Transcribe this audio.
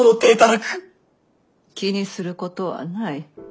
気にすることはない。